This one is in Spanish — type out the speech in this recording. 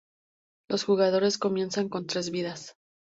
Los jugadores comienzan con tres vidas.